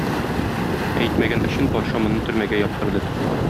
Әйтмәгән өчен патша моны төрмәгә яптырды.